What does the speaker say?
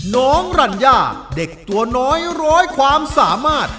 น้องรัญญาเด็กตัวน้อยร้อยความสามารถ